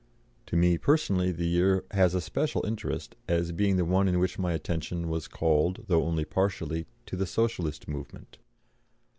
To me, personally, the year has a special interest, as being the one in which my attention was called, though only partially, to the Socialist movement.